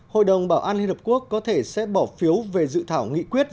hội đồng bảo an liên hợp quốc có thể sẽ bỏ phiếu về dự thảo nghị quyết